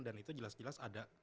dan itu jelas jelas ada